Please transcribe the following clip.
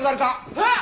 えっ！？